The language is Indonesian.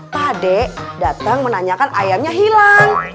pade datang menanyakan ayamnya hilang